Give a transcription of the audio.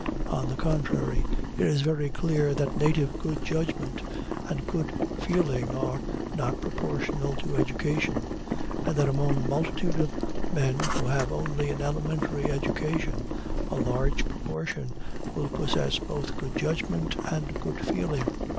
On the contrary, it is very clear that native good judgment and good feeling are not proportional to education, and that among a multitude of men who have only an elementary education, a large proportion will possess both good judgment and good feeling.